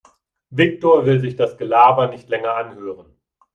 Viktor will sich das Gelaber nicht länger anhören.